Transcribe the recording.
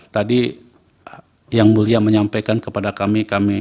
tadi yang mulia menyampaikan kepada kami kami